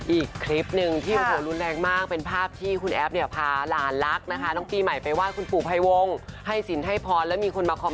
อีกคลิปหนึ่งที่โอ้โฮรุนแรงมาก